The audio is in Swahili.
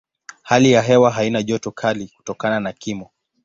Hali ya hewa haina joto kali kutokana na kimo.